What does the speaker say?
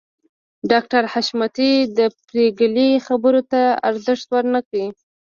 ډاکټر حشمتي د پريګلې خبرو ته ارزښت ورنکړ